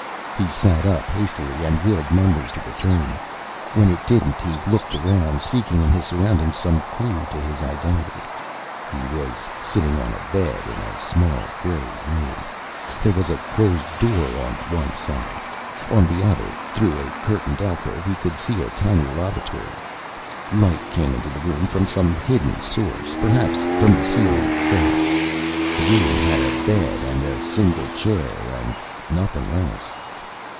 He sat up hastily and willed memory to return. When it didn't, he looked around, seeking in his surroundings some clue to his identity. He was sitting on a bed in a small gray room. There was a closed door on one side. On the other, through a curtained alcove, he could see a tiny lavatory. Light came into the room from some hidden source, perhaps from the ceiling itself. The room had a bed and a single chair, and nothing else.